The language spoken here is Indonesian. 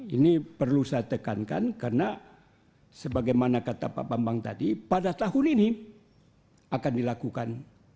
ini perlu saya tekankan karena sebagaimana kata pak bambang tadi pada tahun ini akan dilakukan